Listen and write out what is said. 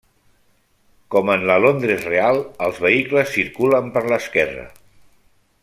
Com en la Londres real, els vehicles circulen per l'esquerra.